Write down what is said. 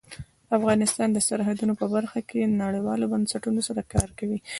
افغانستان د سرحدونه په برخه کې نړیوالو بنسټونو سره کار کوي.